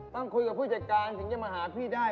ต้องคุยกับผู้จัดการถึงจะมาหาพี่ได้